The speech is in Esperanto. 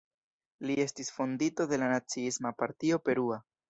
Li estis fondinto de la Naciisma Partio Perua.